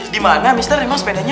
di mana mister emang sepedanya